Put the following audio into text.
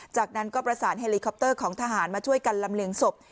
จากนั้นก็ประสานเฮลิคอปเตอร์ของทหารมาช่วยกันลำเลียงศพ